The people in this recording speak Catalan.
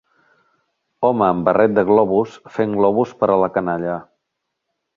Home amb barret de globus fent globus per a la canalla.